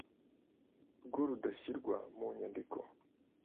rwo rudashyirwa mu nyandiko